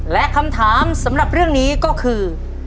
และคำถามสำหรับเรื่องนี้ก็คือ